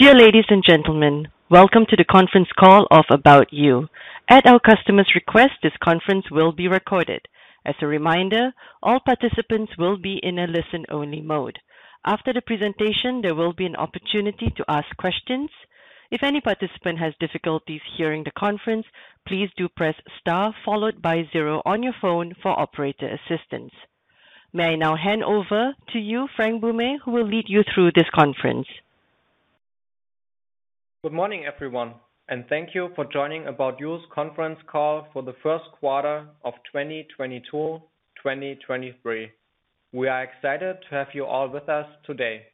Dear ladies and gentlemen, welcome to The Conference Call of ABOUT YOU At our customer's request, this conference will be recorded. As a reminder, all participants will be in a listen-only mode. After the presentation, there will be an opportunity to ask questions. If any participant has difficulties hearing the conference, please do press star followed by zero on your phone for operator assistance. May I now hand over to you, Frank Böhme, who will lead you through this conference. Good morning, everyone, and thank you for joining ABOUT YOU's conference call for the first quarter of 2022/2023. We are excited to have you all with us today.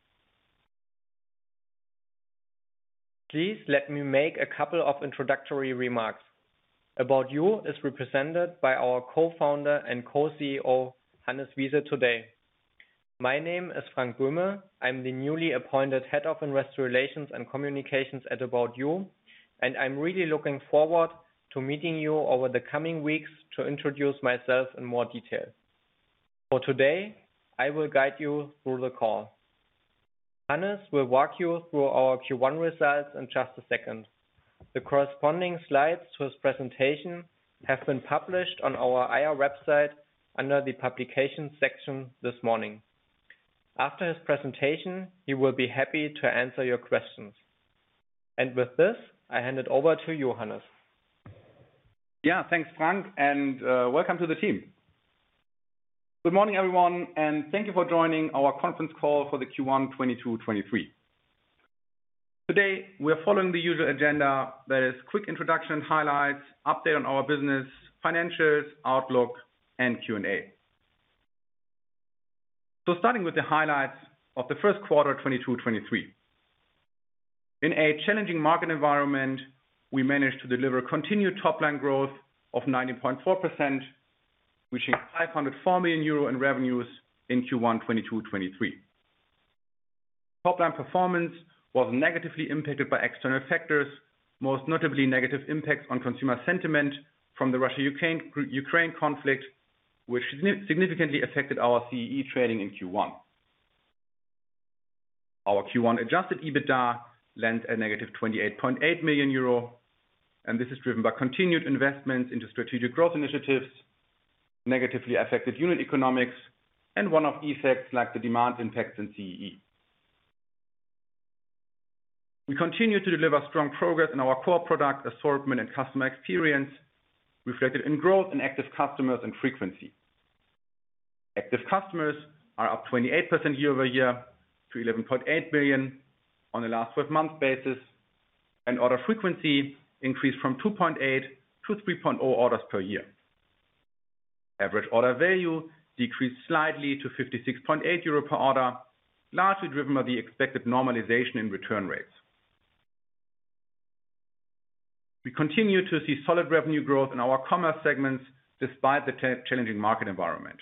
Please let me make a couple of introductory remarks. ABOUT YOU is represented by our co-founder and co-CEO, Hannes Wiese today. My name is Frank Böhme. I'm the newly appointed Head of Investor Relations and Communications at ABOUT YOU, and I'm really looking forward to meeting you over the coming weeks to introduce myself in more detail. For today, I will guide you through the call. Hannes will walk you through our Q1 results in just a second. The corresponding slides to his presentation have been published on our IR website under the Publication section this morning. After his presentation, he will be happy to answer your questions. With this, I hand it over to you, Hannes. Yeah. Thanks, Frank, and welcome to the team. Good morning, everyone, and thank you for joining our conference call for the Q1 2022/2023. Today, we are following the usual agenda, that is quick introduction, highlights, update on our business, financials, outlook, and Q&A. Starting with the highlights of the first quarter 2022/2023. In a challenging market environment, we managed to deliver continued top line growth of 19.4%, reaching 504 million euro in revenues in Q1 2022/2023. Top line performance was negatively impacted by external factors, most notably negative impacts on consumer sentiment from the Russia-Ukraine conflict, which significantly affected our CEE trading in Q1. Our Q1 adjusted EBITDA is a -28.8 million euro, and this is driven by continued investments into strategic growth initiatives, negatively affected unit economics, and one-off effects like the demand impact in CEE. We continue to deliver strong progress in our core product assortment and customer experience, reflected in growth in active customers and frequency. Active customers are up 28% year-over-year to 11.8 million on a last 12-month basis, and order frequency increased from 2.8 to 3.0 orders per year. Average order value decreased slightly to 56.8 euro per order, largely driven by the expected normalization in return rates. We continue to see solid revenue growth in our commerce segments despite the challenging market environment.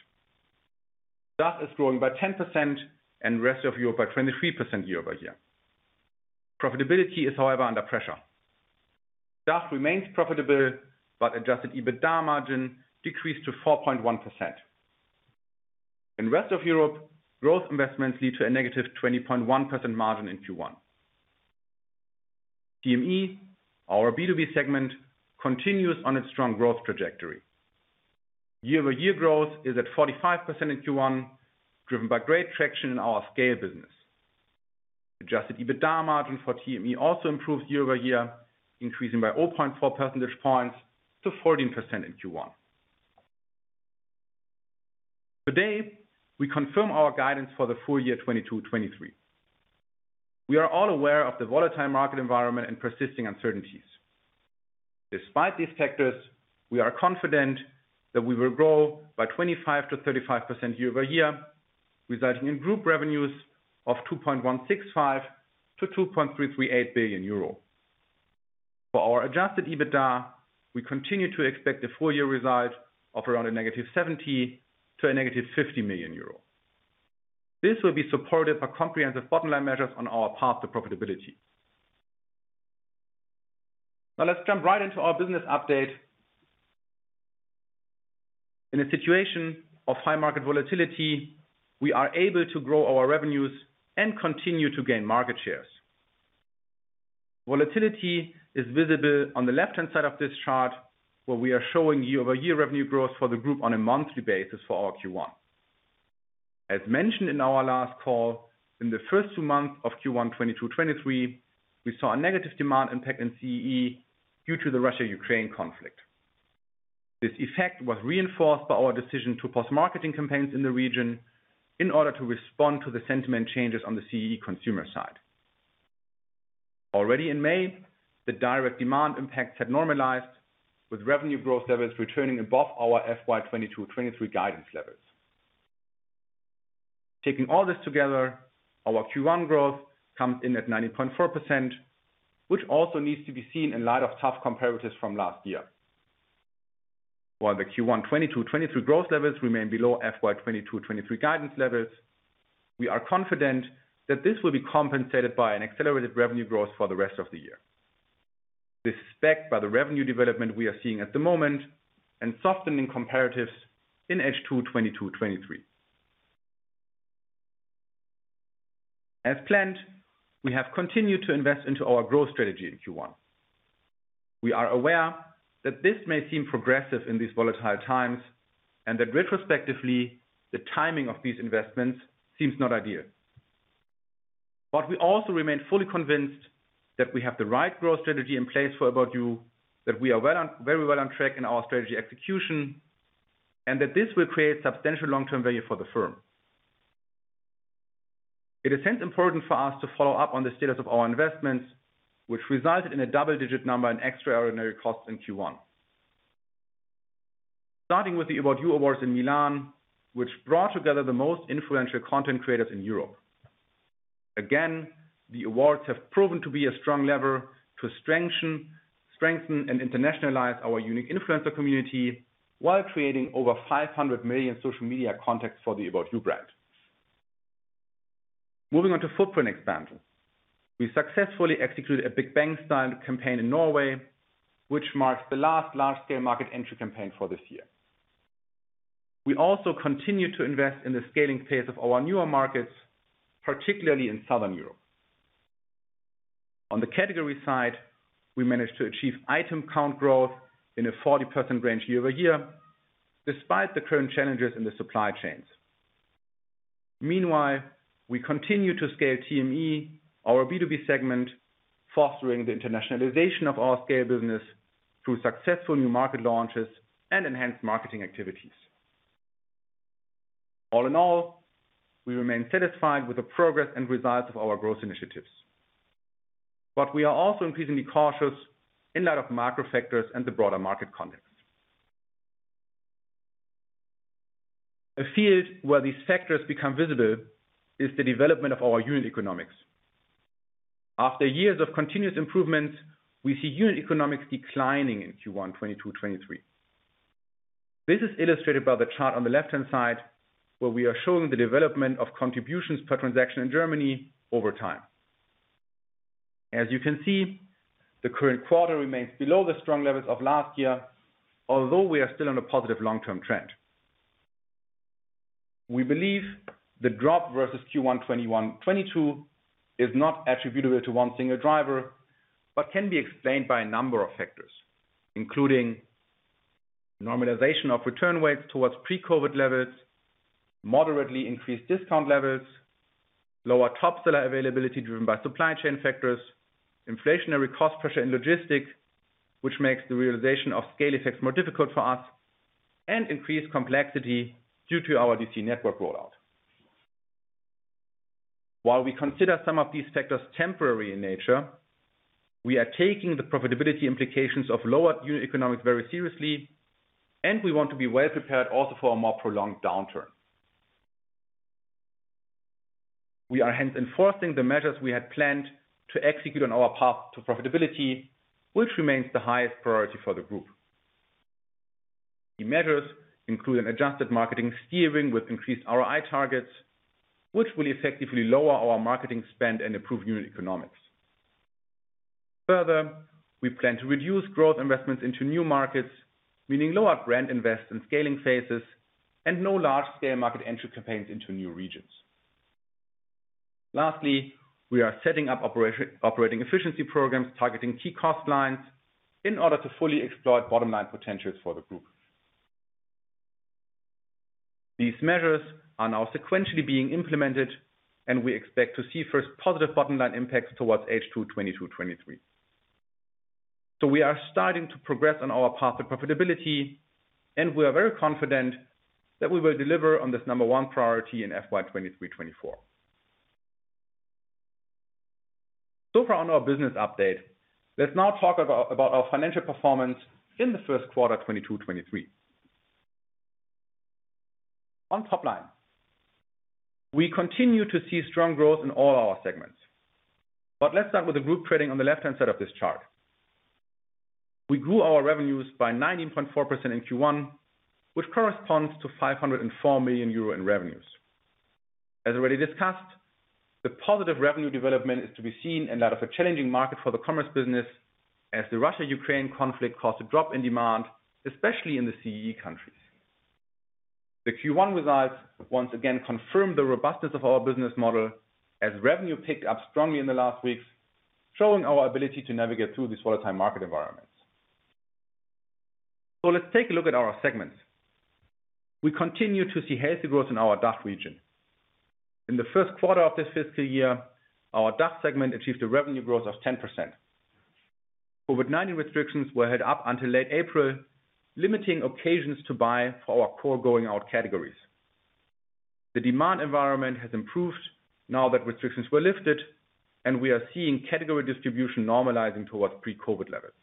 Germany is growing by 10% and rest of Europe by 23% year-over-year. Profitability is, however, under pressure. Germany remains profitable, but adjusted EBITDA margin decreased to 4.1%. In rest of Europe, growth investments lead to a -20.1% margin in Q1. TME, our B2B segment, continues on its strong growth trajectory. Year-over-year growth is at 45% in Q1, driven by great traction in our scale business. Adjusted EBITDA margin for TME also improved year-over-year, increasing by 0.4 percentage points to 14% in Q1. Today, we confirm our guidance for the full year 2022/2023. We are all aware of the volatile market environment and persisting uncertainties. Despite these factors, we are confident that we will grow by 25%-35% year-over-year, resulting in group revenues of 2.165 billion-2.338 billion euro. For our adjusted EBITDA, we continue to expect a full year result of around -70 million to -50 million euro. This will be supported by comprehensive bottom line measures on our path to profitability. Now let's jump right into our business update. In a situation of high market volatility, we are able to grow our revenues and continue to gain market shares. Volatility is visible on the left-hand side of this chart, where we are showing year-over-year revenue growth for the group on a monthly basis for our Q1. As mentioned in our last call, in the first two months of Q1, 2022/2023, we saw a negative demand impact in CEE due to the Russia-Ukraine conflict. This effect was reinforced by our decision to pause marketing campaigns in the region in order to respond to the sentiment changes on the CEE consumer side. Already in May, the direct demand impacts had normalized, with revenue growth levels returning above our FY 2022/2023 guidance levels. Taking all this together, our Q1 growth comes in at 19.4%, which also needs to be seen in light of tough comparatives from last year. While the Q1 2022/2023 growth levels remain below FY 2022/2023 guidance levels, we are confident that this will be compensated by an accelerated revenue growth for the rest of the year. This backed by the revenue development we are seeing at the moment and softening comparatives in H2 2022/2023. As planned, we have continued to invest into our growth strategy in Q1. We are aware that this may seem progressive in these volatile times, and that retrospectively, the timing of these investments seems not ideal. We also remain fully convinced that we have the right growth strategy in place for ABOUT YOU, that we are very well on track in our strategy execution, and that this will create substantial long-term value for the firm. It is hence important for us to follow up on the status of our investments, which resulted in a double-digit number in extraordinary costs in Q1. Starting with the ABOUT YOU Awards in Milan, which brought together the most influential content creators in Europe. Again, the awards have proven to be a strong lever to strengthen and internationalize our unique influencer community while creating over 500 million social media contacts for the ABOUT YOU brand. Moving on to footprint expansion. We successfully executed a Big Bang-style campaign in Norway, which marks the last large-scale market entry campaign for this year. We also continue to invest in the scaling phase of our newer markets, particularly in Southern Europe. On the category side, we managed to achieve item count growth in a 40% range year-over-year, despite the current challenges in the supply chains. Meanwhile, we continue to scale TME, our B2B segment, fostering the internationalization of our scale business through successful new market launches and enhanced marketing activities. All in all, we remain satisfied with the progress and results of our growth initiatives. We are also increasingly cautious in light of macro factors and the broader market context. A field where these factors become visible is the development of our unit economics. After years of continuous improvements, we see unit economics declining in Q1 2022-2023. This is illustrated by the chart on the left-hand side, where we are showing the development of contributions per transaction in Germany over time. As you can see, the current quarter remains below the strong levels of last year, although we are still on a positive long-term trend. We believe the drop versus Q1 2021, 2022 is not attributable to one single driver, but can be explained by a number of factors, including normalization of return rates towards pre-COVID levels, moderately increased discount levels, lower top seller availability driven by supply chain factors, inflationary cost pressure in logistics, which makes the realization of scale effects more difficult for us, and increased complexity due to our DC network rollout. While we consider some of these factors temporary in nature, we are taking the profitability implications of lower unit economics very seriously, and we want to be well prepared also for a more prolonged downturn. We are hence enforcing the measures we had planned to execute on our path to profitability, which remains the highest priority for the group. The measures include an adjusted marketing steering with increased ROI targets, which will effectively lower our marketing spend and improve unit economics. Further, we plan to reduce growth investments into new markets, meaning lower brand invest in scaling phases and no large-scale market entry campaigns into new regions. Lastly, we are setting up operating efficiency programs targeting key cost lines in order to fully exploit bottom line potentials for the group. These measures are now sequentially being implemented, and we expect to see first positive bottom line impacts towards H2 2022/2023. We are starting to progress on our path to profitability, and we are very confident that we will deliver on this number one priority in FY 2023/2024. So far on our business update, let's now talk about our financial performance in the first quarter of 2022/2023. On top line, we continue to see strong growth in all our segments. Let's start with the group trading on the left-hand side of this chart. We grew our revenues by 19.4% in Q1, which corresponds to 504 million euro in revenues. As already discussed, the positive revenue development is to be seen in light of a challenging market for the commerce business as the Russia-Ukraine conflict caused a drop in demand, especially in the CE countries. The Q1 results once again confirmed the robustness of our business model as revenue picked up strongly in the last weeks, showing our ability to navigate through these volatile market environments. Let's take a look at our segments. We continue to see healthy growth in our DACH region. In the first quarter of this fiscal year, our DACH segment achieved a revenue growth of 10%. COVID-19 restrictions were held up until late April, limiting occasions to buy for our core going out categories. The demand environment has improved now that restrictions were lifted, and we are seeing category distribution normalizing towards pre-COVID levels.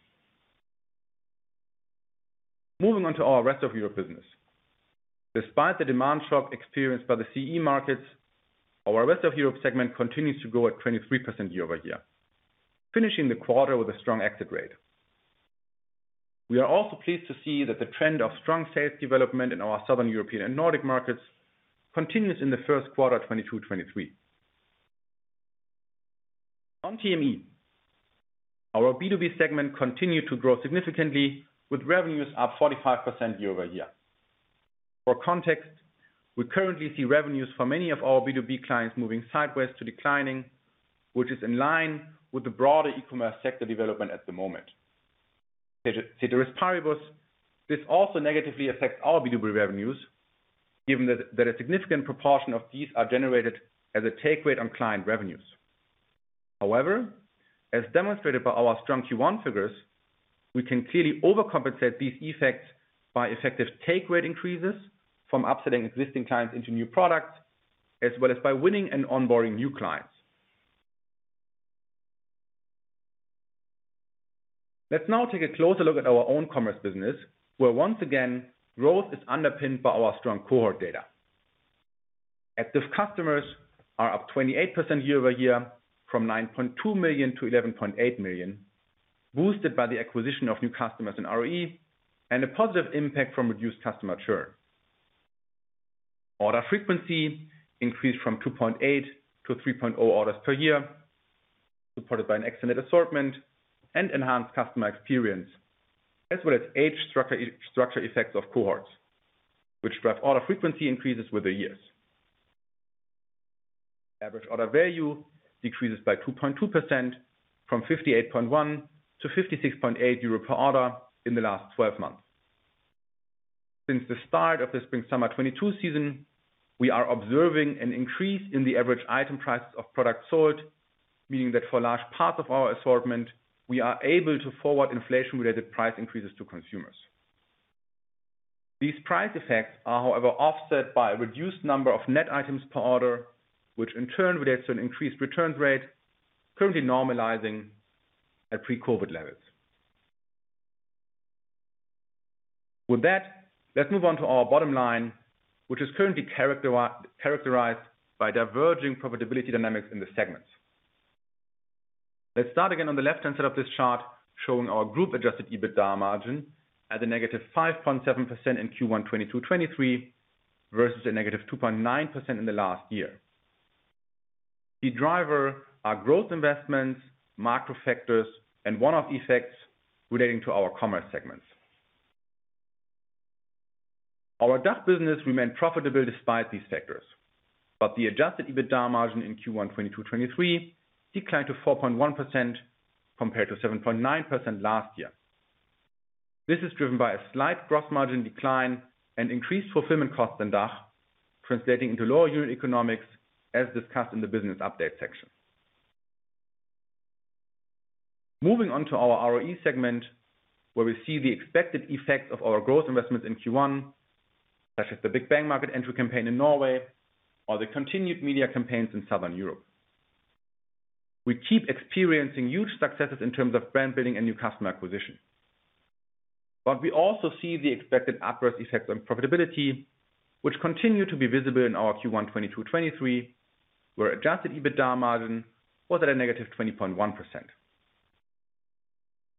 Moving on to our rest of Europe business. Despite the demand shock experienced by the CE markets, our rest of Europe segment continues to grow at 23% year-over-year, finishing the quarter with a strong exit rate. We are also pleased to see that the trend of strong sales development in our Southern European and Nordic markets continues in the first quarter 2022-2023. On TME, our B2B segment continued to grow significantly with revenues up 45% year-over-year. For context, we currently see revenues for many of our B2B clients moving sideways to declining, which is in line with the broader e-commerce sector development at the moment. At ceteris paribus, this also negatively affects our B2B revenues, given that a significant proportion of these are generated as a take rate on client revenues. However, as demonstrated by our strong Q1 figures, we can clearly overcompensate these effects by effective take rate increases from upselling existing clients into new products as well as by winning and onboarding new clients. Let's now take a closer look at our own commerce business, where once again, growth is underpinned by our strong cohort data. Active customers are up 28% year-over-year from 9.2 million to 11.8 million, boosted by the acquisition of new customers in ROE and a positive impact from reduced customer churn. Order frequency increased from 2.8 to 3.0 orders per year, supported by an excellent assortment and enhanced customer experience, as well as age structure effects of cohorts, which drive order frequency increases with the years. Average order value decreases by 2.2% from 58.1 to 56.8 euro per order in the last 12 months. Since the start of the spring/summer 2022 season, we are observing an increase in the average item prices of products sold, meaning that for large parts of our assortment, we are able to forward inflation-related price increases to consumers. These price effects are, however, offset by a reduced number of net items per order, which in turn relates to an increased return rate currently normalizing at pre-COVID levels. With that, let's move on to our bottom line, which is currently characterized by diverging profitability dynamics in the segments. Let's start again on the left-hand side of this chart showing our group adjusted EBITDA margin at a -5.7% in Q1 2022/23 versus a -2.9% in the last year. The drivers are growth investments, macro factors, and one-off effects relating to our commerce segments. Our DACH business remained profitable despite these factors, but the adjusted EBITDA margin in Q1 2022/23 declined to 4.1% compared to 7.9% last year. This is driven by a slight gross margin decline and increased fulfillment costs in DACH, translating into lower unit economics as discussed in the business update section. Moving on to our ROE segment, where we see the expected effect of our growth investments in Q1, such as the Big Bang Market entry campaign in Norway or the continued media campaigns in Southern Europe. We keep experiencing huge successes in terms of brand building and new customer acquisition. We also see the expected adverse effect on profitability, which continued to be visible in our Q1 2022-2023, where adjusted EBITDA margin was at a -20.1%.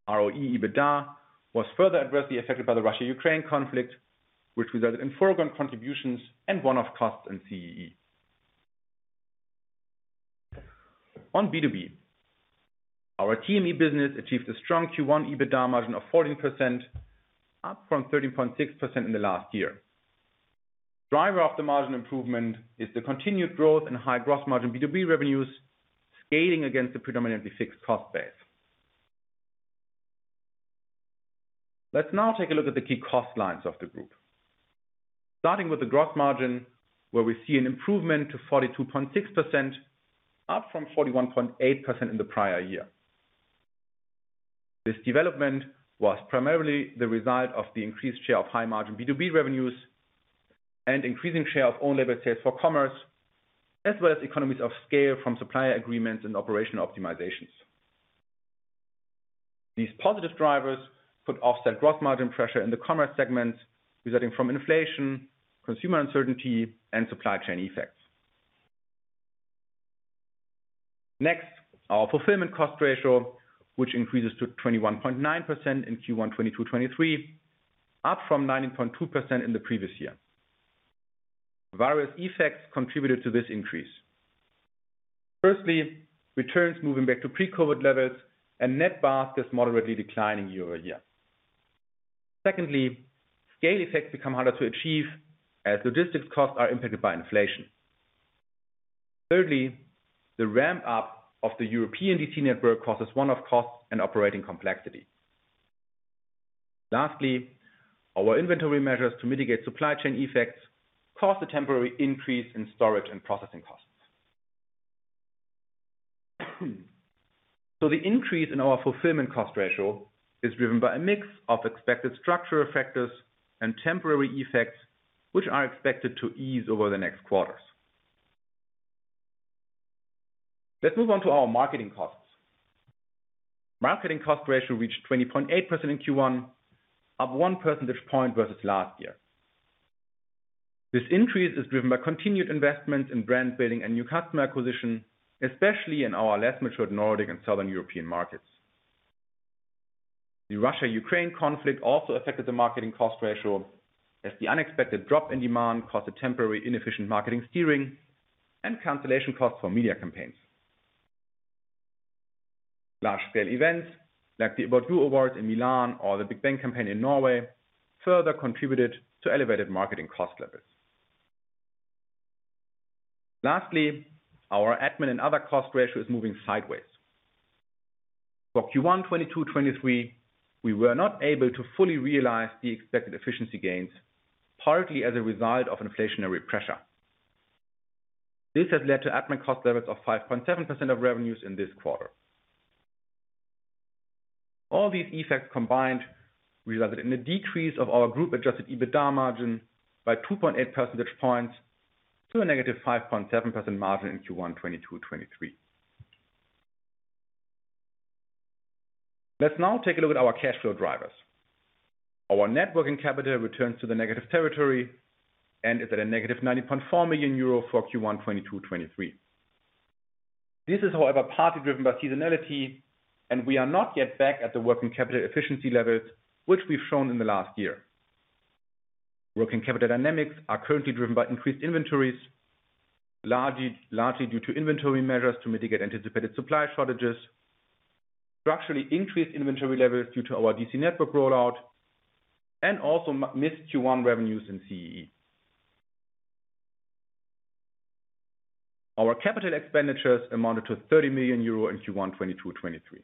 Our EBITDA was further adversely affected by the Russia-Ukraine conflict, which resulted in foregone contributions and one-off costs in CEE. On B2B, our TME business achieved a strong Q1 EBITDA margin of 14%, up from 13.6% in the last year. Driver of the margin improvement is the continued growth in high gross margin B2B revenues, scaling against the predominantly fixed cost base. Let's now take a look at the key cost lines of the group. Starting with the gross margin, where we see an improvement to 42.6%, up from 41.8% in the prior year. This development was primarily the result of the increased share of high-margin B2B revenues and increasing share of own-label sales for commerce, as well as economies of scale from supplier agreements and operational optimizations. These positive drivers could offset gross margin pressure in the commerce segments resulting from inflation, consumer uncertainty, and supply chain effects. Next, our fulfillment cost ratio, which increases to 21.9% in Q1 2022/23, up from 19.2% in the previous year. Various effects contributed to this increase. Firstly, returns moving back to pre-COVID levels and net basket moderately declining year-over-year. Secondly, scale effects become harder to achieve as logistics costs are impacted by inflation. Thirdly, the ramp up of the European DC network causes one-off costs and operating complexity. Lastly, our inventory measures to mitigate supply chain effects caused a temporary increase in storage and processing costs. The increase in our fulfillment cost ratio is driven by a mix of expected structural factors and temporary effects, which are expected to ease over the next quarters. Let's move on to our marketing costs. Marketing cost ratio reached 20.8% in Q1, up one percentage point versus last year. This increase is driven by continued investment in brand building and new customer acquisition, especially in our less matured Nordic and Southern European markets. The Russia-Ukraine conflict also affected the marketing cost ratio as the unexpected drop in demand caused a temporary inefficient marketing steering and cancellation costs for media campaigns. Large-scale events like the ABOUT YOU Awards in Milan or the Big Bang campaign in Norway further contributed to elevated marketing cost levels. Lastly, our admin and other cost ratio is moving sideways. For Q1 2022/23, we were not able to fully realize the expected efficiency gains, partly as a result of inflationary pressure. This has led to admin cost levels of 5.7% of revenues in this quarter. All these effects combined resulted in a decrease of our group adjusted EBITDA margin by 2.8 percentage points to a -5.7% margin in Q1 2022/23. Let's now take a look at our cash flow drivers. Our net working capital returns to the negative territory and is at -19.4 million euro for Q1 2022/23. This is, however, partly driven by seasonality, and we are not yet back at the working capital efficiency levels, which we've shown in the last year. Working capital dynamics are currently driven by increased inventories, largely due to inventory measures to mitigate anticipated supply shortages, structurally increased inventory levels due to our DC network rollout, and also missed Q1 revenues in CEE. Our capital expenditures amounted to 30 million euro in Q1 2022/23.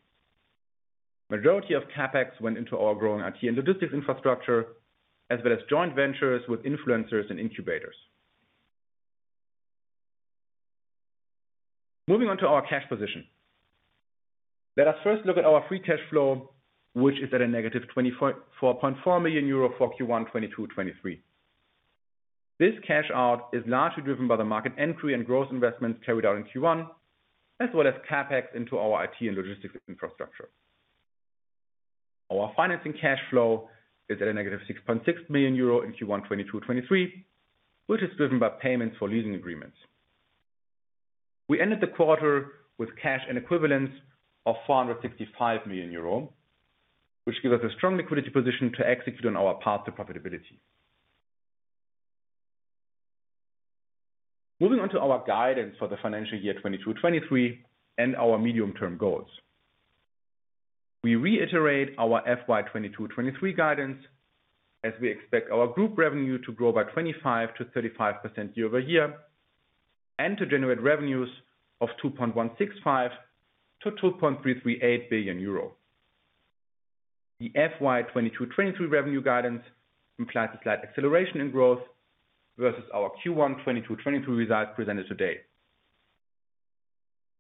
Majority of CapEx went into our growing IT and logistics infrastructure, as well as joint ventures with influencers and incubators. Moving on to our cash position. Let us first look at our free cash flow, which is at a -24.4 million euro for Q1 2022/23. This cash out is largely driven by the market entry and growth investments carried out in Q1, as well as CapEx into our IT and logistics infrastructure. Our financing cash flow is at -6.6 million euro in Q1 2022-2023, which is driven by payments for leasing agreements. We ended the quarter with cash and equivalents of 465 million euro, which gives us a strong liquidity position to execute on our path to profitability. Moving on to our guidance for the financial year 2022-2023 and our medium-term goals. We reiterate our FY 2022-2023 guidance as we expect our group revenue to grow by 25%-35% year-over-year, and to generate revenues of 2.165 billion-2.338 billion euro. The FY 2022-2023 revenue guidance implies a slight acceleration in growth versus our Q1 2022-2023 results presented today.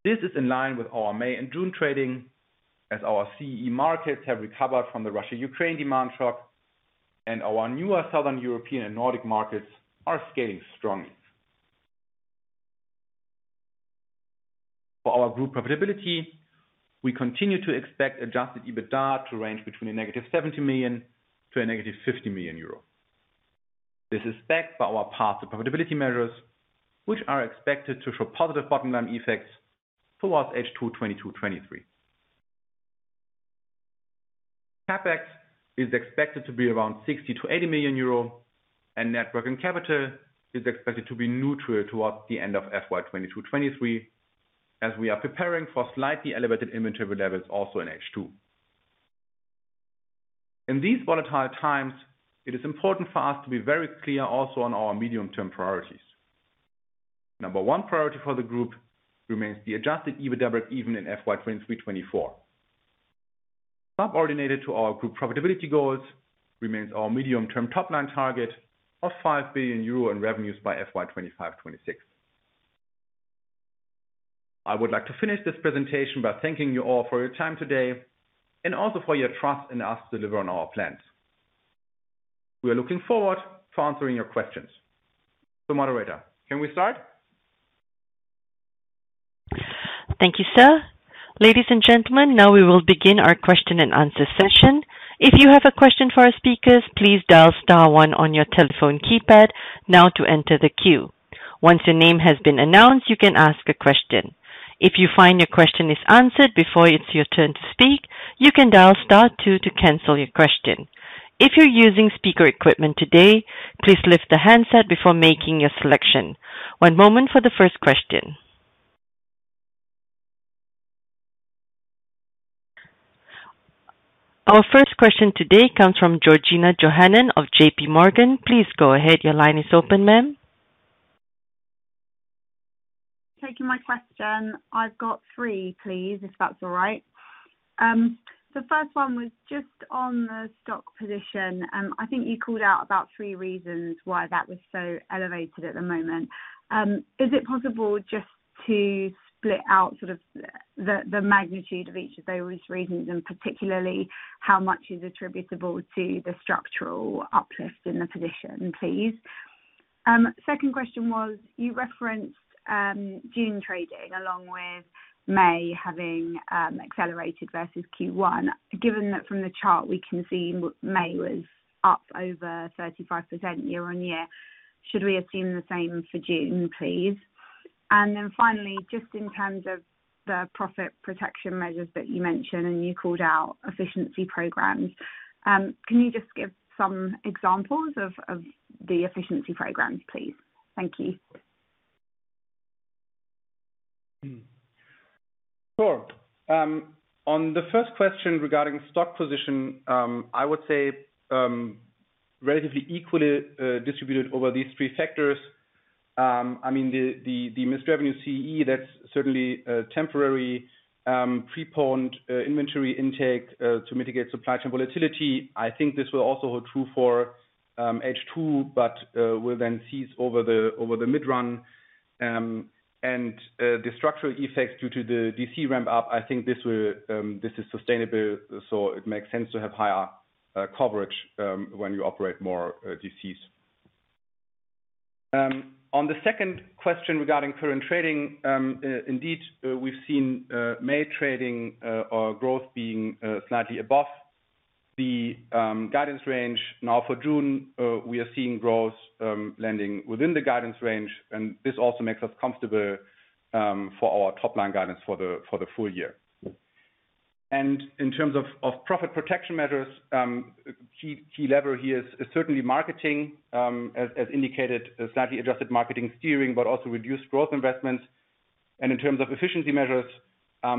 This is in line with our May and June trading as our CEE markets have recovered from the Russia-Ukraine demand shock and our newer Southern European and Nordic markets are scaling strongly. For our group profitability, we continue to expect adjusted EBITDA to range between -70 million to -50 million euro. This is backed by our path to profitability measures, which are expected to show positive bottom line effects towards H2 2022-2023. CapEx is expected to be around 60 million-80 million euro, and net working capital is expected to be neutral towards the end of FY 2022-2023, as we are preparing for slightly elevated inventory levels also in H2. In these volatile times, it is important for us to be very clear also on our medium-term priorities. Number 1 priority for the group remains the adjusted EBITDA even in FY 2023-2024. Subordinated to our group profitability goals remains our medium-term top-line target of 5 billion euro in revenues by FY 2025-2026. I would like to finish this presentation by thanking you all for your time today and also for your trust in us to deliver on our plans. We are looking forward to answering your questions. Moderator, can we start? Thank you, sir. Ladies and gentlemen, now we will begin our question and answer session. If you have a question for our speakers, please dial star one on your telephone keypad now to enter the queue. Once your name has been announced, you can ask a question. If you find your question is answered before it's your turn to speak, you can dial star two to cancel your question. If you're using speaker equipment today, please lift the handset before making your selection. One moment for the first question. Our first question today comes from Georgina Johanan of JPMorgan. Please go ahead. Your line is open, ma'am. Thank you for taking my question. I've got three, please, if that's all right. The first one was just on the stock position. I think you called out about three reasons why that was so elevated at the moment. Is it possible just to split out sort of the magnitude of each of those reasons, and particularly how much is attributable to the structural uplift in the position, please? Second question was, you referenced June trading along with May having accelerated versus Q1. Given that from the chart we can see May was up over 35% year-on-year. Should we assume the same for June, please? Finally, just in terms of the profit protection measures that you mentioned, and you called out efficiency programs, can you just give some examples of the efficiency programs, please? Thank you. Sure. On the first question regarding stock position, I would say, relatively equally distributed over these three factors. I mean, the mixed revenue CE, that's certainly temporary, preponed inventory intake to mitigate supply chain volatility. I think this will also hold true for H2, but will then cease over the mid-run. The structural effects due to the DC ramp up, I think this is sustainable, so it makes sense to have higher coverage when you operate more DCs. On the second question regarding current trading, indeed, we've seen May trading or growth being slightly above the guidance range. Now, for June, we are seeing growth landing within the guidance range, and this also makes us comfortable for our top-line guidance for the full year. In terms of profit protection measures, key lever here is certainly marketing, as indicated, slightly adjusted marketing steering, but also reduced growth investments. In terms of efficiency measures,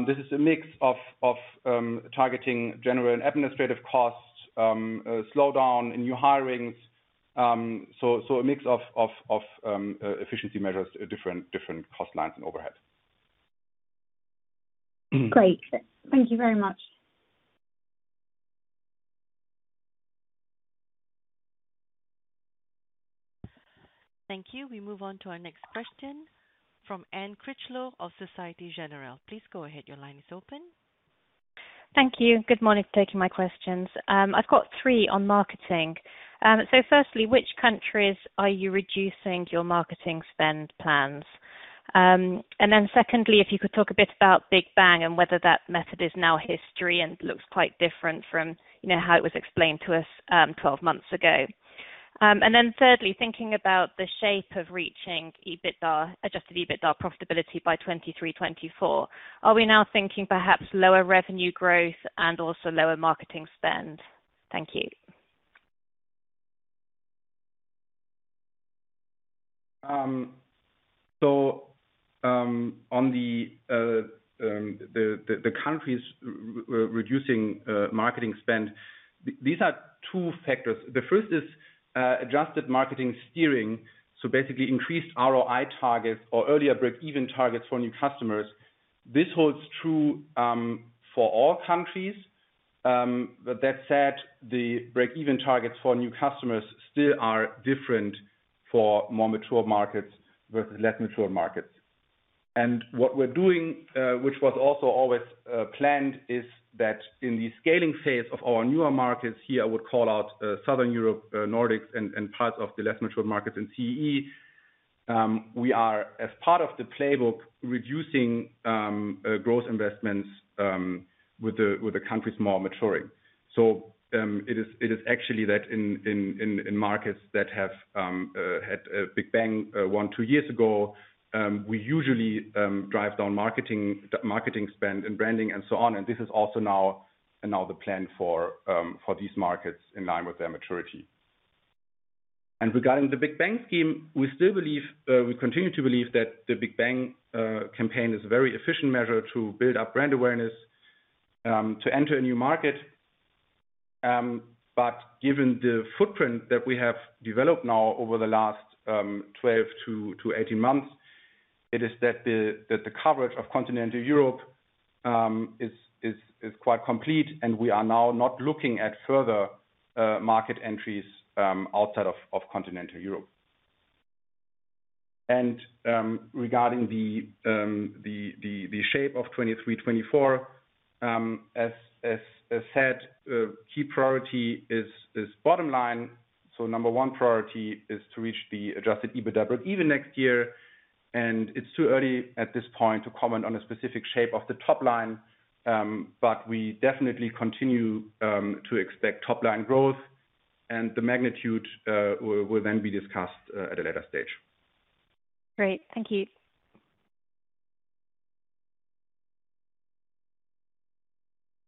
this is a mix of targeting general and administrative costs, a slowdown in new hirings. A mix of efficiency measures at different cost lines and overheads. Great. Thank you very much. Thank you. We move on to our next question from Anne Critchlow of Société Générale. Please go ahead. Your line is open. Thank you. Good morning for taking my questions. I've got three on marketing. Firstly, which countries are you reducing your marketing spend plans? Secondly, if you could talk a bit about Big Bang and whether that method is now history and looks quite different from, you know, how it was explained to us, 12 months ago. Thirdly, thinking about the shape of reaching EBITDA, adjusted EBITDA profitability by 2023, 2024. Are we now thinking perhaps lower revenue growth and also lower marketing spend? Thank you. On the countries are reducing marketing spend, these are two factors. The first is adjusted marketing steering. Basically increased ROI targets or earlier breakeven targets for new customers. This holds true for all countries. That said, the breakeven targets for new customers still are different for more mature markets versus less mature markets. What we're doing, which was also always planned, is that in the scaling phase of our newer markets here, I would call out Southern Europe, Nordics and parts of the less mature markets in CE, we are, as part of the playbook, reducing growth investments with the countries more maturing. It is actually that in markets that have had a Big Bang one to two years ago, we usually drive down marketing spend and branding and so on. This is also now the plan for these markets in line with their maturity. Regarding the Big Bang scheme, we continue to believe that the Big Bang campaign is a very efficient measure to build up brand awareness to enter a new market. But given the footprint that we have developed now over the last 12-18 months, it is that the coverage of continental Europe is quite complete, and we are now not looking at further market entries outside of continental Europe. Regarding the shape of 2023, 2024, as said, key priority is bottom line. Number one priority is to reach the adjusted EBITDA break even next year. It's too early at this point to comment on a specific shape of the top line. But we definitely continue to expect top-line growth and the magnitude will then be discussed at a later stage. Great. Thank you.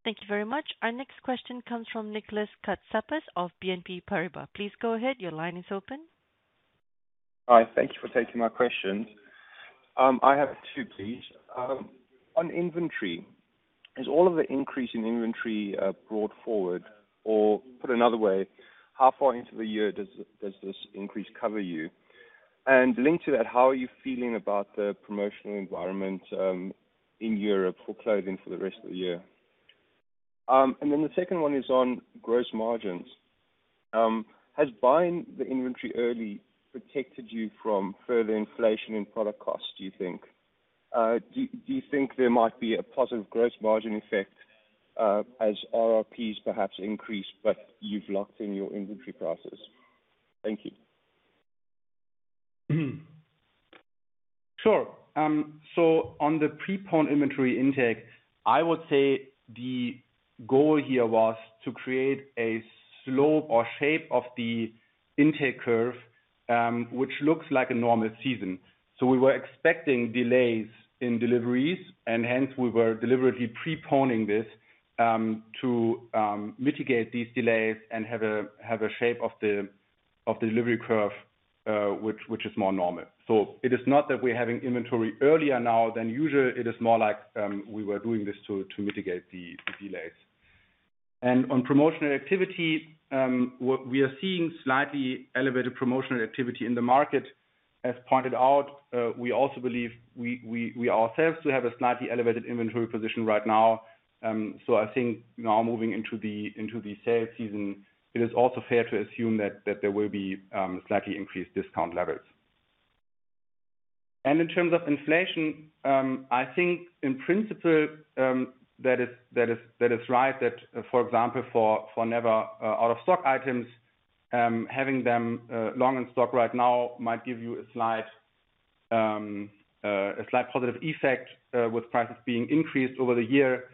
Thank you very much. Our next question comes from Nicolas Katsapas of BNP Paribas. Please go ahead. Your line is open. Hi. Thank you for taking my questions. I have two, please. On inventory, is all of the increase in inventory brought forward? Or put another way, how far into the year does this increase cover you? And linked to that, how are you feeling about the promotional environment in Europe for clothing for the rest of the year? And then the second one is on gross margins. Has buying the inventory early protected you from further inflation in product costs, do you think? Do you think there might be a positive gross margin effect as RRPs perhaps increase, but you've locked in your inventory prices? Thank you. Sure. On the preponed inventory intake, I would say the goal here was to create a slope or shape of the intake curve, which looks like a normal season. We were expecting delays in deliveries, and hence we were deliberately preponing this to mitigate these delays and have a shape of the delivery curve, which is more normal. It is not that we're having inventory earlier now than usual. It is more like we were doing this to mitigate the delays. On promotional activity, what we are seeing is slightly elevated promotional activity in the market. As pointed out, we also believe we ourselves have a slightly elevated inventory position right now. I think now moving into the sales season, it is also fair to assume that there will be slightly increased discount levels. In terms of inflation, I think in principle that is right. For example, for never out of stock items, having them long in stock right now might give you a slight positive effect with prices being increased over the year.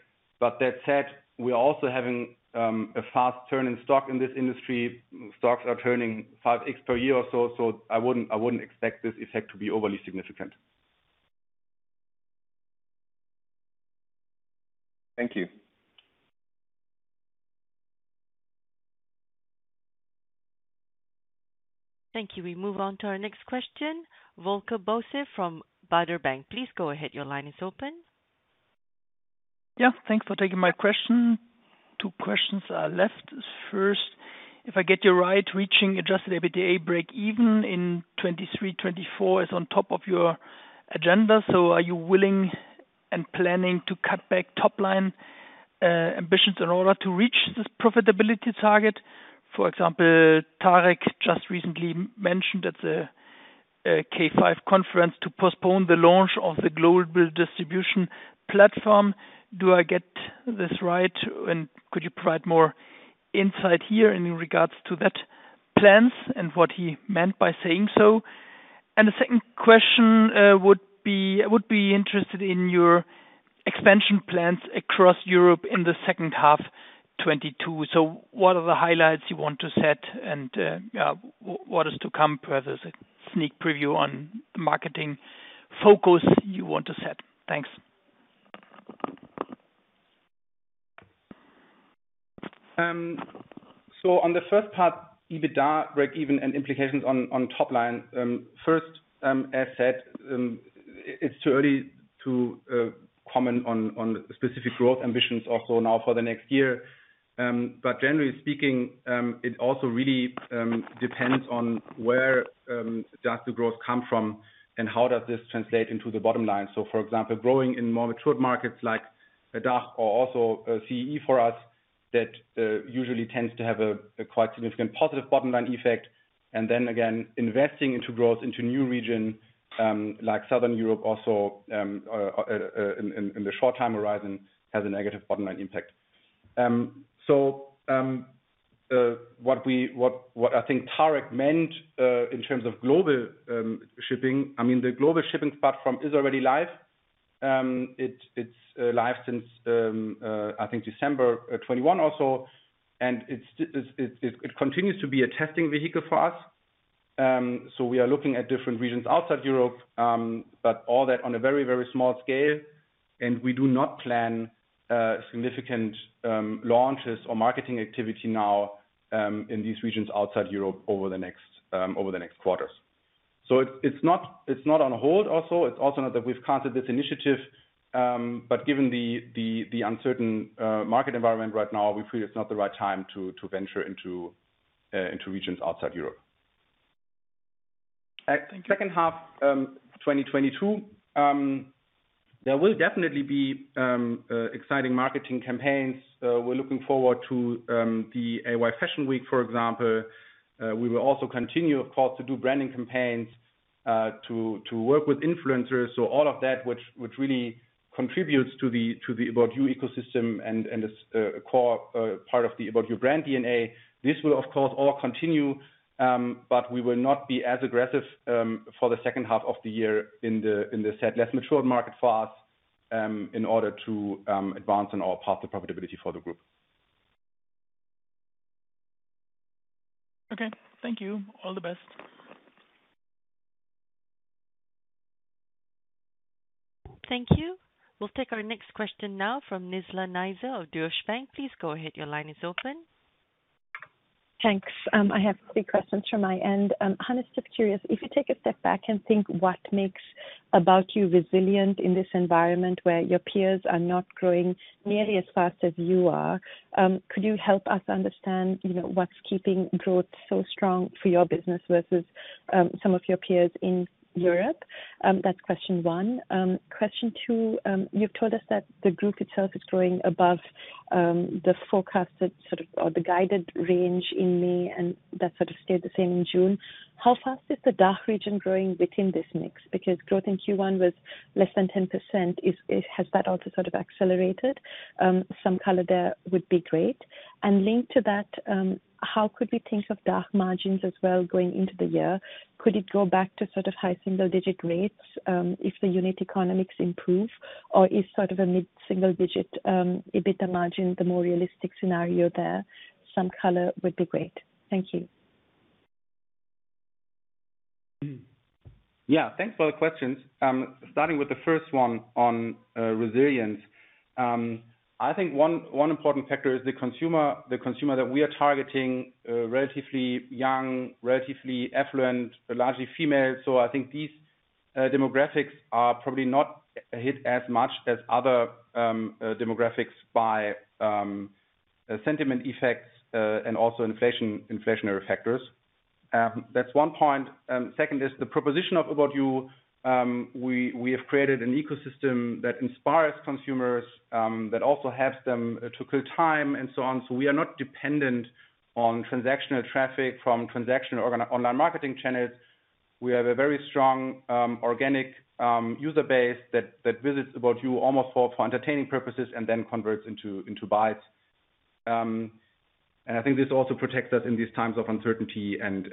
That said, we are also having a fast turn in stock in this industry. Stocks are turning 5x per year or so I wouldn't expect this effect to be overly significant. Thank you. Thank you. We move on to our next question. Volker Bosse from Baader Bank. Please go ahead. Your line is open. Yeah, thanks for taking my question. Two questions are left. First, if I get you right, reaching adjusted EBITDA break even in 2023, 2024 is on top of your agenda. Are you willing and planning to cut back top line ambitions in order to reach this profitability target? For example, Tarek just recently mentioned at the K5 conference to postpone the launch of the global distribution platform. Do I get this right? Could you provide more insight here in regards to that plans and what he meant by saying so? The second question would be, I would be interested in your expansion plans across Europe in the second half 2022. What are the highlights you want to set and yeah, what is to come? Perhaps a sneak preview on the marketing focus you want to set. Thanks. On the first part, EBITDA breakeven and implications on top line. First, as said, it's too early to comment on specific growth ambitions also now for the next year. Generally speaking, it also really depends on where does the growth come from and how does this translate into the bottom line. For example, growing in more mature markets like DACH or also CE for us, that usually tends to have a quite significant positive bottom line effect. Then again, investing into growth into new region like Southern Europe also in the short time horizon has a negative bottom line impact. What I think Tarek meant, in terms of global shipping, I mean the global shipping platform is already live. It's live since I think December 2021 also. It continues to be a testing vehicle for us. We are looking at different regions outside Europe, but all that on a very small scale. We do not plan significant launches or marketing activity now in these regions outside Europe over the next quarters. It's not on hold also. It's also not that we've canceled this initiative. Given the uncertain market environment right now, we feel it's not the right time to venture into regions outside Europe. Thank you. In the second half of 2022, there will definitely be exciting marketing campaigns. We're looking forward to the AY Fashion Week, for example. We will also continue, of course, to do branding campaigns, to work with influencers. All of that which really contributes to the ABOUT YOU ecosystem and this core part of the ABOUT YOU brand DNA. This will of course all continue, but we will not be as aggressive for the second half of the year in the said less mature market for us, in order to advance on our path to profitability for the group. Okay. Thank you. All the best. Thank you. We'll take our next question now from Nizla Naizer of Deutsche Bank. Please go ahead. Your line is open. Thanks. I have three questions from my end. Hannes, just curious if you take a step back and think what makes ABOUT YOU resilient in this environment where your peers are not growing nearly as fast as you are, could you help us understand, you know, what's keeping growth so strong for your business versus some of your peers in Europe? That's question one. Question two, you've told us that the group itself is growing above the forecasted sort of, or the guided range in May, and that sort of stayed the same in June. How fast is the DACH region growing within this mix? Because growth in Q1 was less than 10%. Has that also sort of accelerated? Some color there would be great. Linked to that, how could we think of DACH margins as well going into the year? Could it go back to sort of high single digit rates, if the unit economics improve, or is sort of a mid-single digit, EBITDA margin, the more realistic scenario there? Some color would be great. Thank you. Yeah, thanks for the questions. Starting with the first one on resilience. I think one important factor is the consumer that we are targeting, relatively young, relatively affluent, largely female. So I think these demographics are probably not hit as much as other demographics by sentiment effects and also inflation, inflationary factors. That's one point. Second is the proposition of ABOUT YOU. We have created an ecosystem that inspires consumers, that also helps them to kill time and so on. So we are not dependent on transactional traffic from transactional or online marketing channels. We have a very strong organic user base that visits ABOUT YOU almost for entertaining purposes and then converts into buys. I think this also protects us in these times of uncertainty and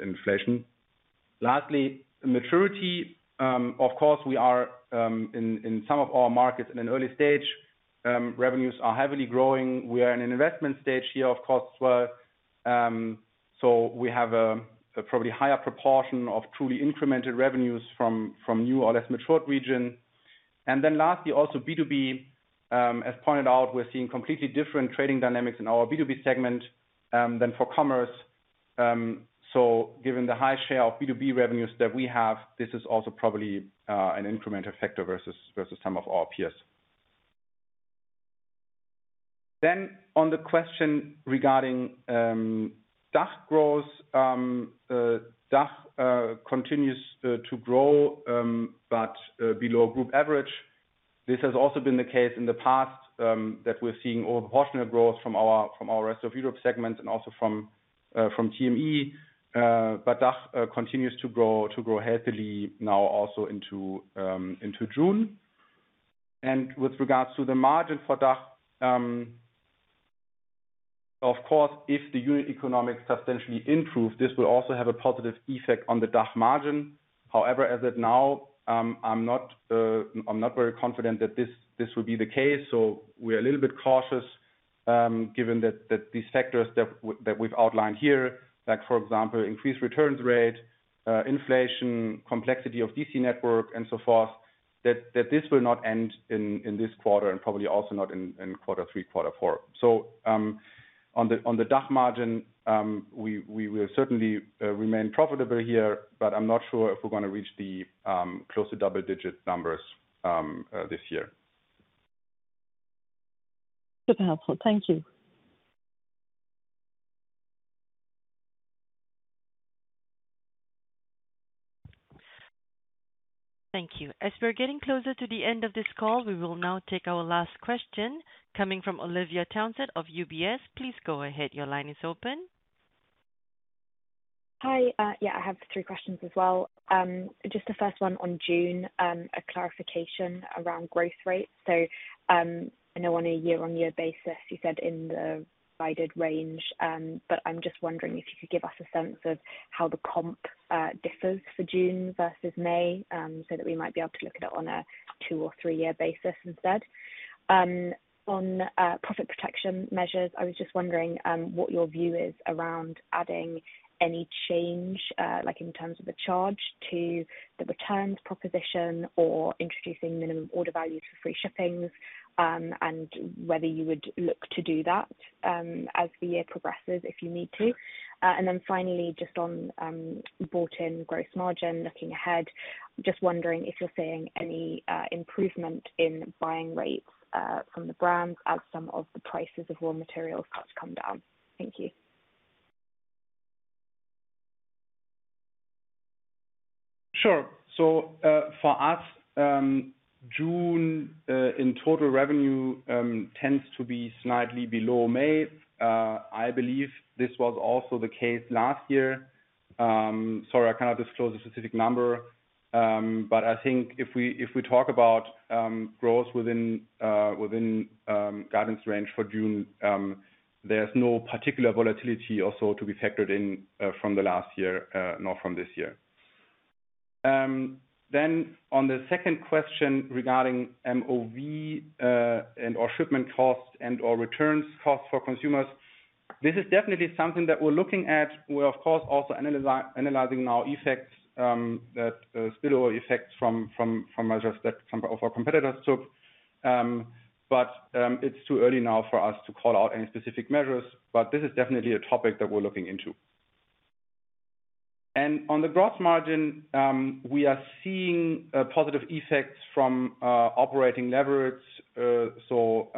inflation. Lastly, maturity. Of course, we are in some of our markets in an early stage. Revenues are heavily growing. We are in an investment stage here, of course, where we have a probably higher proportion of truly incremental revenues from new or less matured region. Then lastly, also B2B. As pointed out, we're seeing completely different trading dynamics in our B2B segment than for commerce. Given the high share of B2B revenues that we have, this is also probably an incremental factor versus some of our peers. On the question regarding DACH growth. DACH continues to grow, but below group average. This has also been the case in the past, that we're seeing over-proportional growth from our rest of Europe segment and also from TME. DACH continues to grow healthily now also into June. With regards to the margin for DACH, of course, if the unit economics substantially improve, this will also have a positive effect on the DACH margin. However, as of now, I'm not very confident that this will be the case, so we're a little bit cautious, given that these factors that we've outlined here, like for example, increased returns rate, inflation, complexity of DC network, and so forth, that this will not end in this quarter and probably also not in quarter three, quarter four. On the DACH margin, we will certainly remain profitable here, but I'm not sure if we're gonna reach close to double-digit numbers this year. Super helpful. Thank you. Thank you. As we're getting closer to the end of this call, we will now take our last question coming from Olivia Townsend of UBS. Please go ahead. Your line is open. Hi. Yeah, I have three questions as well. Just the first one on June, a clarification around growth rates. I know on a year-on-year basis you said in the guided range, but I'm just wondering if you could give us a sense of how the comp differs for June versus May, so that we might be able to look at it on a two or three-year basis instead. On profit protection measures, I was just wondering what your view is around adding any change, like in terms of the charge to the returns proposition or introducing minimum order values for free shippings, and whether you would look to do that, as the year progresses if you need to. Finally, just on bought-in gross margin looking ahead, just wondering if you're seeing any improvement in buying rates from the brands as some of the prices of raw materials start to come down. Thank you. Sure. For us, June in total revenue tends to be slightly below May. I believe this was also the case last year. Sorry, I cannot disclose a specific number. I think if we talk about growth within guidance range for June, there's no particular volatility also to be factored in from the last year nor from this year. On the second question regarding MOV and/or shipment costs and/or returns costs for consumers, this is definitely something that we're looking at. We're of course also analyzing spillover effects from measures that some of our competitors took. It's too early now for us to call out any specific measures. This is definitely a topic that we're looking into. On the gross margin, we are seeing positive effects from operating leverage, so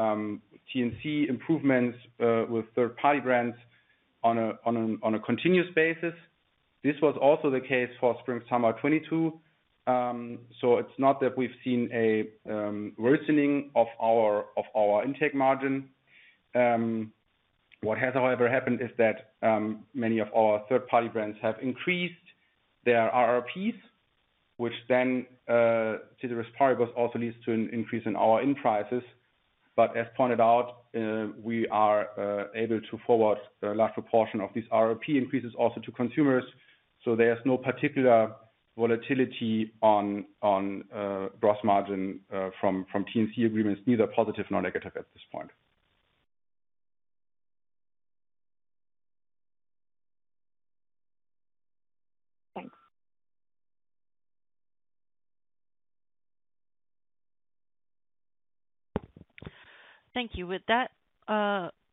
T&C improvements with third-party brands on a continuous basis. This was also the case for spring/summer 2022. It's not that we've seen a worsening of our intake margin. What has however happened is that many of our third-party brands have increased their RRPs, which then, ceteris paribus, also leads to an increase in our prices. As pointed out, we are able to forward a large proportion of these RRP increases also to consumers, so there's no particular volatility on gross margin from T&C agreements, neither positive nor negative at this point. Thanks. Thank you. With that,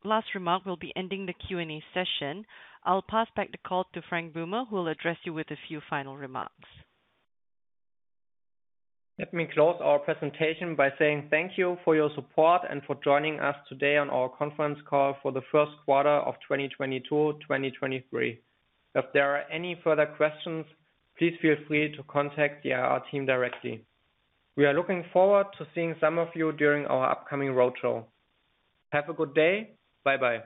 last remark, we'll be ending the Q&A session. I'll pass back the call to Frank Böhme, who will address you with a few final remarks. Let me close our presentation by saying thank you for your support and for joining us today on our conference call for the first quarter of 2022/2023. If there are any further questions, please feel free to contact the IR team directly. We are looking forward to seeing some of you during our upcoming roadshow. Have a good day. Bye-bye.